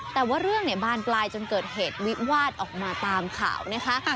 แต่ว่าเรื่องเนี่ยบานปลายจนเกิดเหตุวิวาดออกมาตามข่าวนะคะ